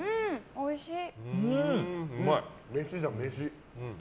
おいしい！